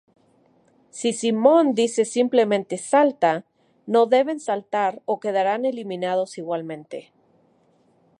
Si Simón dice simplemente "salta", no deben saltar o quedarán eliminados igualmente.